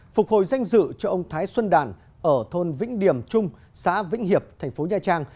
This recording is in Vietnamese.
phục hồi danh dự cho ông thái xuân đàn ở thôn vĩnh điểm trung xã vĩnh hiệp thành phố nha trang